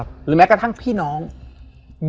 เพื่อที่จะให้แก้วเนี่ยหลอกลวงเค